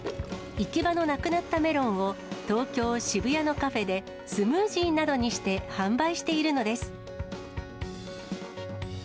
行き場のなくなったメロンを、東京・渋谷のカフェでスムージーなどにして販売しているのです。